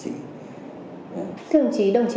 thưa ông chí